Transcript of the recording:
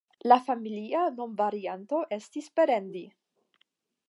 Lia familia nomvarianto estis Berendi.